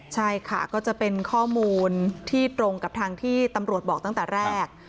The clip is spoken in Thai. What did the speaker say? ใช่ค่ะก็จะเป็นข้อมูลที่ตรงกับทางที่ตำรวจบอกตั้งแต่แรก